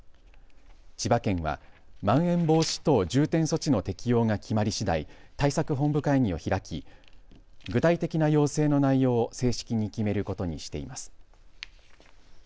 千葉県はまん延防止等重点措置の適用が決まりしだい対策本部会議を開き具体的な要請の内容を正式に決めることにしています。